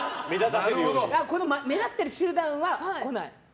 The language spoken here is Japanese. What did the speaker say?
目立ってる集団は来ない。